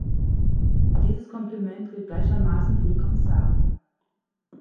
Dieses Kompliment gilt gleichermaßen für die Kommissarin.